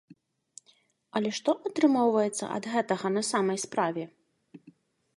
Але што атрымоўваецца ад гэтага на самай справе?